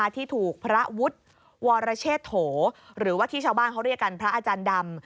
ที่ถูกพระวุฒิวรเชษโถหรือว่าที่ชาวบ้านเขาเรียกกันพระอาจารย์ดำ